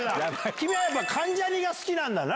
君はやっぱ関ジャニが好きなんだな。